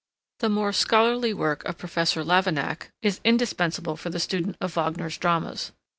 The more scholarly work of Professor Lavignac is indispensable for the student of Wagner's dramas.